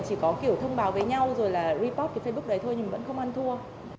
chỉ có kiểu thông báo với nhau rồi là report cái facebook đấy thôi mình vẫn không ăn thua